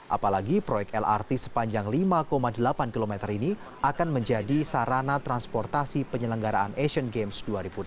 apalagi proyek lrt sepanjang lima delapan km ini akan menjadi sarana transportasi penyelenggaraan asian games dua ribu delapan belas